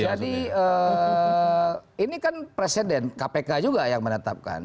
jadi ini kan presiden kpk juga yang menetapkan